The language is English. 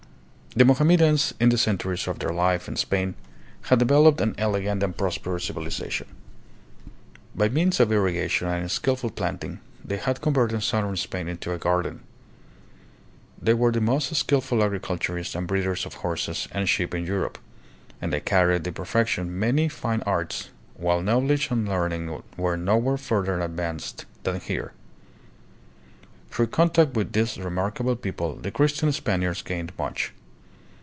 The Mohammedans, in the centuries of their life in Spain, had developed an elegant and prosperous civiliza tion. By means of irrigation and skillful planting, they had converted southern Spain into a garden. They were the most skillful agriculturists and breeders of horses and sheep in Europe, and they carried to perfection many fine arts, while knowledge and learning were nowhere further advanced than here. Through contact with this remark able people the Christian Spaniards gained much.